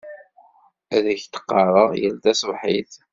Ad ak-d-ɣɣareɣ yal taṣebḥit.